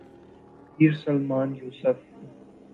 Pir Salman Yusuf.